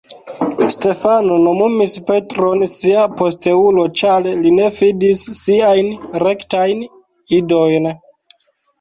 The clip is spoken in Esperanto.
Stefano nomumis Petron sia posteulo, ĉar li ne fidis siajn rektajn idojn.